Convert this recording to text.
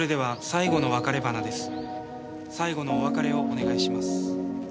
最後のお別れをお願いします。